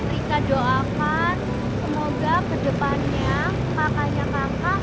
rika doakan semoga ke depannya kakaknya kakaknya